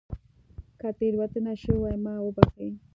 که تېروتنه شوې وي ما وبښئ